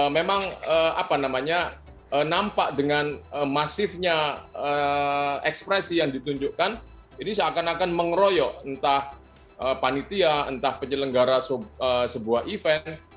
memang apa namanya nampak dengan masifnya ekspresi yang ditunjukkan ini seakan akan mengeroyok entah panitia entah penyelenggara sebuah event